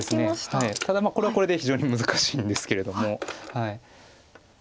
ただこれはこれで非常に難しいんですけれども。